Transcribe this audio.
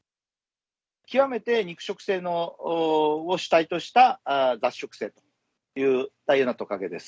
極めて肉食性を主体とした雑食性というようなトカゲです。